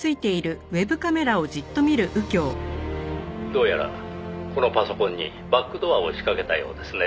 「どうやらこのパソコンにバックドアを仕掛けたようですね」